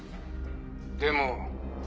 でも。